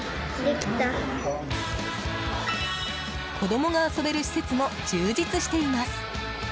子供が遊べる施設も充実しています。